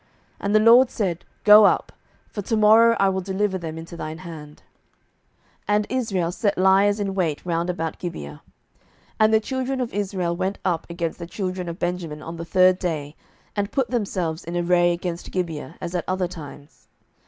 And the LORD said, Go up; for to morrow I will deliver them into thine hand. 07:020:029 And Israel set liers in wait round about Gibeah. 07:020:030 And the children of Israel went up against the children of Benjamin on the third day, and put themselves in array against Gibeah, as at other times.